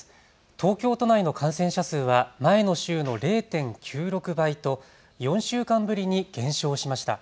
東京都内の感染者数は前の週の０．９６倍と４週間ぶりに減少しました。